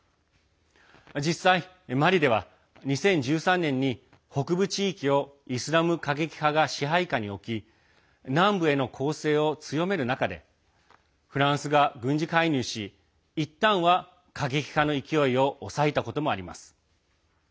実際、マリでは２０１３年に北部地域をイスラム過激派が支配下に置き南部への攻勢を強める中でフランスが軍事介入しいったんは過激派の勢いを抑えたこともあります。